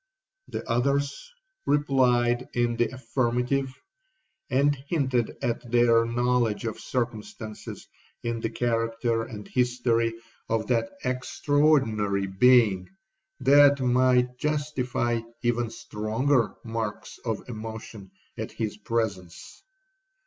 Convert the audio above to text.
The others replied in the affirmative, and hinted at their knowledge of circumstances in the character and history of that extraordinary being that might justify even stronger marks of emotion at his presence.